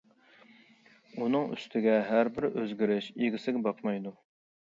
ئۇنىڭ ئۈستىگە ھەر بىر ئۆزگىرىش ئىگىسىگە باقمايدۇ.